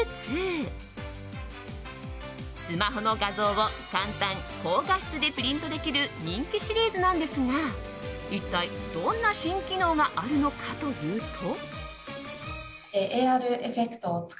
スマホの画像を簡単・高画質でプリントできる人気シリーズなんですが一体どんな新機能があるのかというと。